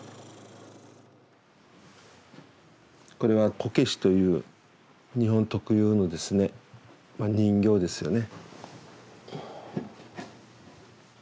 これは「こけし」という日本特有の人形ですよね。